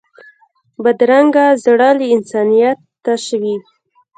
بدرنګه زړه له انسانیت تش وي